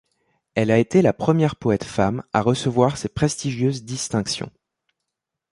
Elle a été la première poète femme à recevoir ces prestigieuses distinctions.